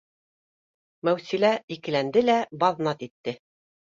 Мәүсилә икеләнде лә баҙнат итте: